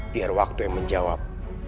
biar waktu yang menjawab